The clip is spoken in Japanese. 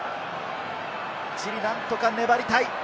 チリ、何とか粘りたい。